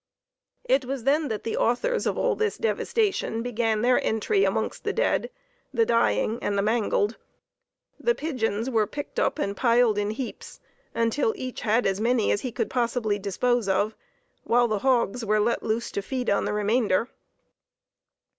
It was then that the authors of all this devastation began their entry amongst the dead, the dying and the mangled. The pigeons were picked up and piled in heaps, until each had as many as he could possibly dispose of, when the hogs were let loose to feed on the remainder.